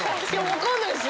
分かんないですよ。